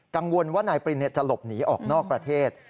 กังวลว่านายปรินจะหลบหนีออกนอกประเทศ